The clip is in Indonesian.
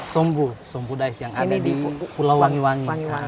sombu sombudai yang ada di pulau wangi wangi